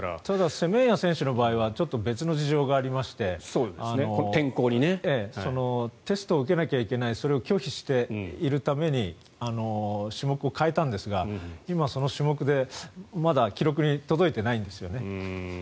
セメンヤ選手の場合は別の理由がありましてテストを受けないといけないそれを拒否しているために種目を変えたんですが今、その種目で、まだ記録に届いていないんですよね。